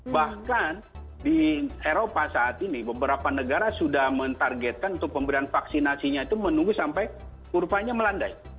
bahkan di eropa saat ini beberapa negara sudah mentargetkan untuk pemberian vaksinasinya itu menunggu sampai kurvanya melandai